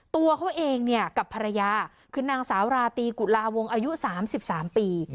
ตัวเขาเองเนี่ยกับภรรยาคือนางสาวราตรีกุลาวงอายุ๓๓ปี